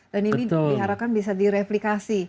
dan ini diharapkan bisa direplikasi